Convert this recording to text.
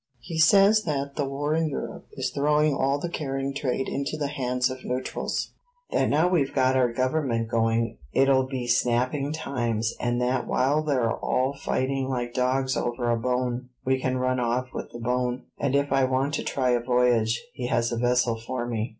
"He says that the war in Europe is throwing all the carrying trade into the hands of neutrals; that now we've got our government going, it'll be snapping times; and that while they're all fighting like dogs over a bone, we can run off with the bone; and if I want to try a voyage, he has a vessel for me."